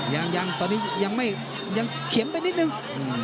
ยังยังตอนนี้ยังไม่ยังเขียนไปนิดนึง